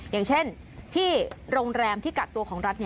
อย่างเช่นที่โรงแรมที่กักตัวของรัฐ